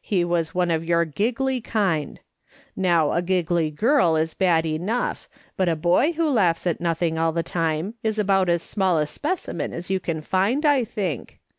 He was one of your giggly kind ; now a giggly girl is bad enough but a boy who laughs at nothing all the time is about as small a specimen as you can find, I think.